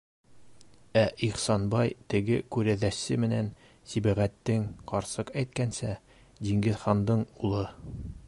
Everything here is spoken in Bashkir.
Ә Ихсанбай теге күрәҙәсе менән Сибәғәттең, ҡарсыҡ әйткәнсә, Диңгеҙхандың улы!